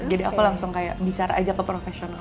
jadi aku langsung kayak bicara aja ke profesional